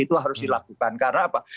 itu harus dilakukan karena apa